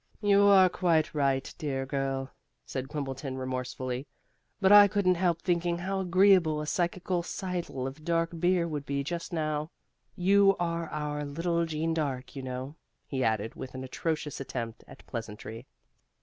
"You are quite right, dear girl," said Quimbleton remorsefully. "But I couldn't help thinking how agreeable a psychical seidel of dark beer would be just now. You are our little Jeanne Dark, you know," he added, with an atrocious attempt at pleasantry.